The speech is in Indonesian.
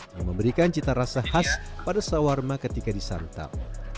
yang memberikan cita rasa khas pada sawarma ketika disantap